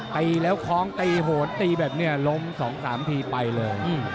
ตีแล้วคล้องตีโหนตีแบบนี้ล้ม๒๓ทีไปเลย